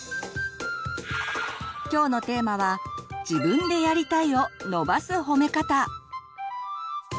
きょうのテーマは「自分でやりたいを伸ばす褒め方」。